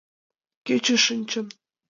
Кече шинчын.